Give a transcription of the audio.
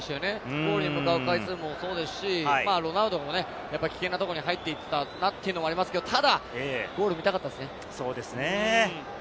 ゴールに向かう回数もそうですし、ロナウドもやっぱ危険なとこに入っていったなというのがありますけれど、ただゴールを見たかったですね。